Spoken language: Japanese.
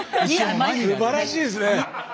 すばらしいですね！